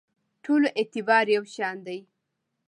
ټولو اعتبار یو شان دی.